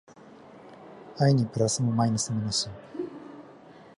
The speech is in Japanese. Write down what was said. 愛にプラスもマイナスもなし